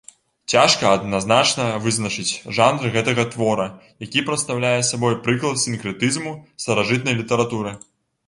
Цяжка адназначна вызначыць жанр гэтага твора, які прадстаўляе сабой прыклад сінкрэтызму старажытнай літаратуры.